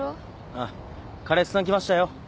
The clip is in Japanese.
あっ彼氏さん来ましたよ。